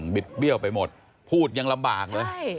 บิดเบี้ยวไปหมดพูดยังลำบากเลย